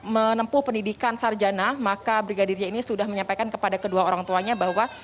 menempuh pendidikan sarjana maka brigadir j ini sudah menyampaikan kepada kedua orang tuanya bahwa